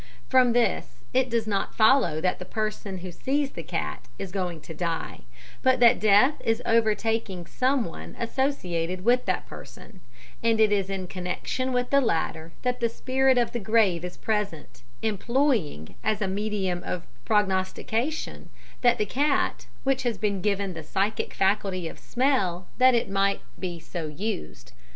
"From this, it does not follow that the person who sees the cat is going to die, but that death is overtaking someone associated with that person; and it is in connection with the latter that the spirit of the grave is present, employing, as a medium of prognostication, the cat, which has been given the psychic faculty of smell that it might be so used.